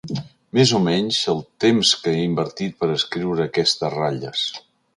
Més o menys el temps que he invertit per escriure aquestes ratlles.